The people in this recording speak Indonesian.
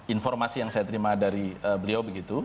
informasi yang saya terima dari beliau begitu